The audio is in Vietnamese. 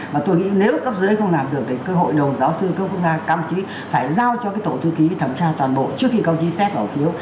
và tôi nghĩ nếu cấp dưới không làm được thì cái hội đồng giáo sư cơ quốc gia các đồng chí phải giao cho cái tổ thư ký thẩm tra toàn bộ trước khi các đồng chí xét bỏ phiếu